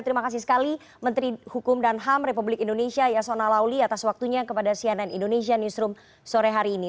terima kasih sekali menteri hukum dan ham republik indonesia yasona lauli atas waktunya kepada cnn indonesia newsroom sore hari ini